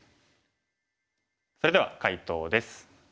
それでは解答です。